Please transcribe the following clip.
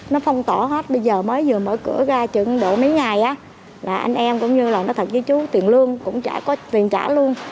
nó phong tỏ hết bây giờ mới vừa mở cửa ra chừng đổ mấy ngày á là anh em cũng như là nó thật với chú tiền lương cũng chả có tiền trả luôn